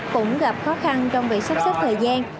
cũng gặp khó khăn trong việc sắp xếp thời gian